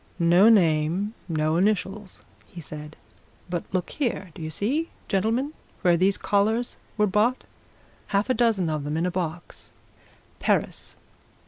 "No name no initials," he said. "But look here do you see, gentlemen, where these collars were bought? Half a dozen of them, in a box. Paris!